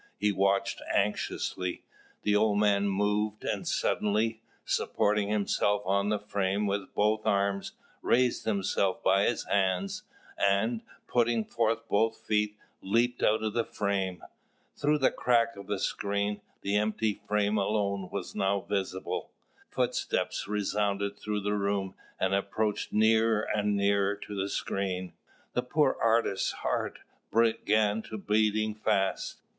He watched anxiously; the old man moved, and suddenly, supporting himself on the frame with both arms, raised himself by his hands, and, putting forth both feet, leapt out of the frame. Through the crack of the screen, the empty frame alone was now visible. Footsteps resounded through the room, and approached nearer and nearer to the screen. The poor artist's heart began beating fast.